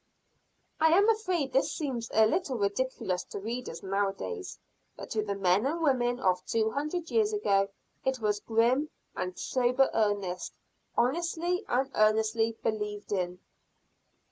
I am afraid this seems a little ridiculous to readers nowadays; but to the men and women of two hundred years ago it was grim and sober earnest, honestly and earnestly believed in.